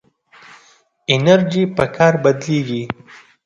انرژي په کار بدلېږي.